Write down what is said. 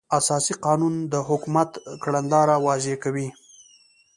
اساسي قانون د حکومت کړنلاره واضح کوي.